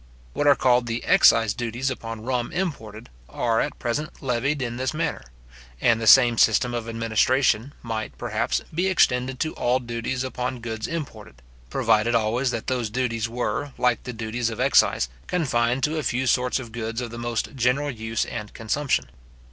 What are called the excise duties upon rum imported, are at present levied in this manner; and the same system of administration might, perhaps, be extended to all duties upon goods imported; provided always that those duties were, like the duties of excise, confined to a few sorts of goods of the most general use and consumption.